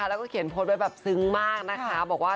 และก็เขียนโพสต์ไว้ซึงมากบอกว่า